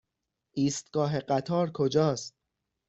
ایستگاه قطار کجاست؟